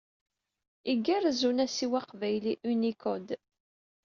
Igerrez unasiw aqbayli Unicode.